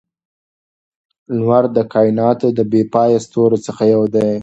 لمر د کائناتو د بې پایه ستورو څخه یو دی.